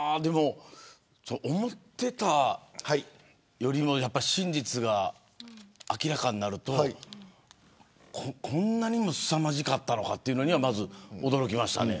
思ってたよりも真実が明らかになるとこんなにもすさまじかったのかというのには驚きました。